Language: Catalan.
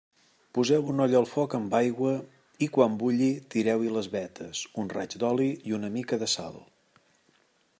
Poseu una olla al foc amb aigua i, quan bulli, tireu-hi les vetes, un raig d'oli i una mica de sal.